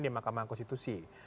di mahkamah konstitusi